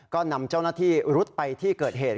ก็นำเจ้าหน้าที่รุดไปที่เกิดเหตุ